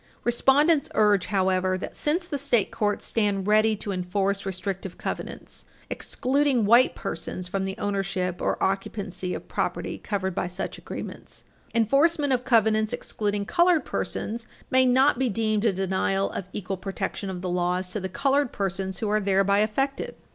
Respondents urge, however, that, since the state courts stand ready to enforce restrictive covenants excluding white persons from the ownership or occupancy of property covered by such agreements, enforcement of covenants excluding colored persons may not be deemed a denial of equal protection of the laws to the colored persons who are thereby affected.